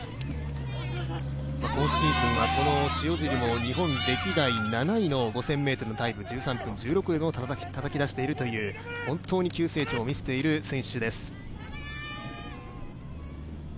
今シーズンはこの塩尻も日本歴代７位の５０００ｍのタイム、１３分１６秒をたたき出していという、本当に急成長を見せている選手です。